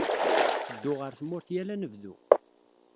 Ttedduɣ ɣer tmurt yal anebdu.